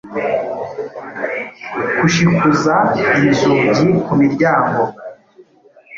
kushikuza inzugi ku miryango,…